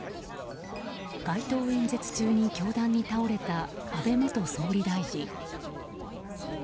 街頭演説中に凶弾に倒れた安倍元総理大臣。